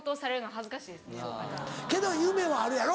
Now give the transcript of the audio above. けど夢はあるやろ？